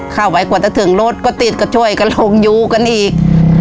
เข้าไปกว่าจะถึงรถก็ติดก็ช่วยกันลงยูกันอีก